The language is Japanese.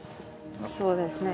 そうですね